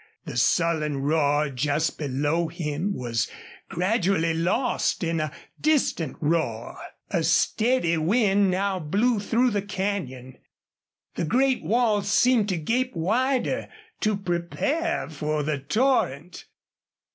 The sullen roar just below him was gradually lost in a distant roar. A steady wind now blew through the canyon. The great walls seemed to gape wider to prepare for the torrent.